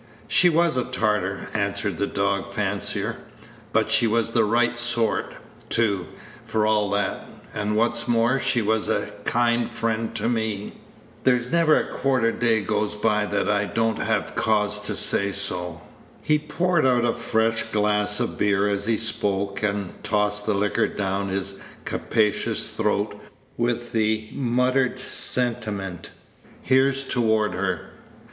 "She was a tartar," answered the dog fancier; "but she was the right sort, too, for all that; and, what's more, she was a kind friend to me. There's never a quarter day goes by that I don't have cause to say so." He poured out a fresh glass of beer as he spoke, and tossed the liquor down his capacious throat with the muttered sentiment, "Here's toward her."